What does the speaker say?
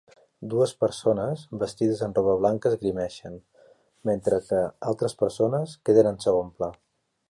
Dues persones vestides amb roba blanca esgrimeixen, mentre que altres persones queden en segon pla.